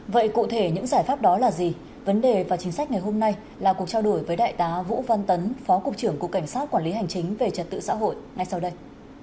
vậy cụ thể những giải pháp đó là gì vấn đề và chính sách ngày hôm nay là cuộc trao đổi với đại tá vũ văn tấn phó cục trưởng cục cảnh sát quản lý hành chính về trật tự xã hội ngay sau đây